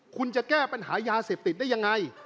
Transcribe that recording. คุณจะแก้ปัญหายาเสพติดได้ยังไง